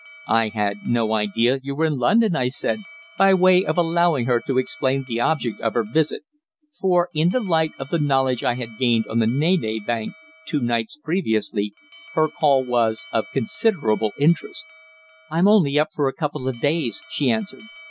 "I had no idea you were in London," I said, by way of allowing her to explain the object of her visit, for, in the light of the knowledge I had gained on the Nene bank two nights previously, her call was of considerable interest. "I'm only up for a couple of days," she answered.